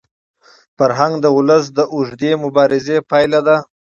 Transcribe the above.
فرهنګ د ولس د اوږدې مبارزې پایله ده.